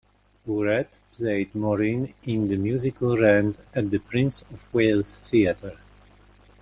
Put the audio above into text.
Bourret played Maureen in the musical "Rent" at The Prince of Wales Theatre.